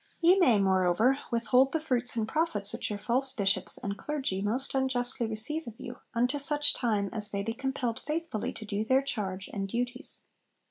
Ye may, moreover, withhold the fruits and profits which your false Bishops and clergy most unjustly receive of you, unto such time as they be compelled faithfully to do their charge and duties.'